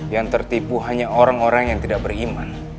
yang tertipu hanya orang orang yang tidak beriman